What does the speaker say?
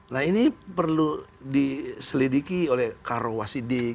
nah ini perlu diselidiki oleh karo wasidik